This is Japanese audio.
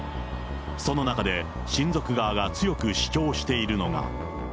その中で、親族側が強く主張しているのが。